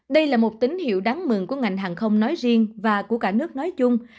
đây là một tín hiệu đáng mừng của ngành hàng không nói riêng và của cả nước nói chung